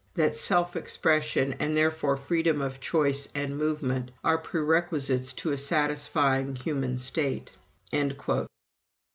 "That self expression, and therefore freedom of choice and movement, are prerequisites to a satisfying human state."